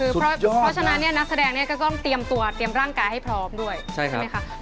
เพราะฉะนั้นเนี่ยนักแสดงเนี่ยก็ต้องเตรียมตัวเตรียมร่างกายให้พร้อมด้วยใช่ไหมคะ